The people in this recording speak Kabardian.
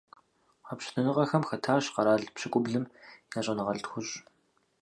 Къэпщытэныгъэхэм хэтащ къэрал пщыкӏублым я щӀэныгъэлӀ тхущӏ.